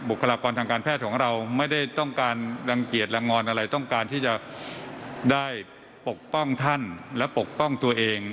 คลากรทางการแพทย์ของเราไม่ได้ต้องการรังเกียจลังงอนอะไรต้องการที่จะได้ปกป้องท่านและปกป้องตัวเอง